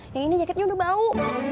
yang ini jaketnya udah bau